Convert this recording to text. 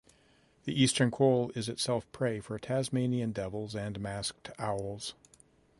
The eastern quoll is itself prey for Tasmanian devils and masked owls.